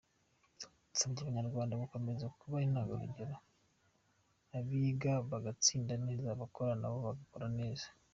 Yasabye Abanyarwanda gukomeza kuba intangarugero, abiga bagatsinda neza abakora nabo bagakora neza.